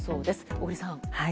小栗さん。